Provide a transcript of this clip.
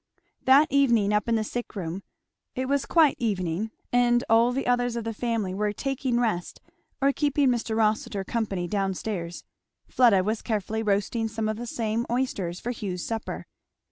That evening, up in the sick room, it was quite evening, and all the others of the family were taking rest or keeping Mr. Rossitur company down stairs, Fleda was carefully roasting some of the same oysters for Hugh's supper.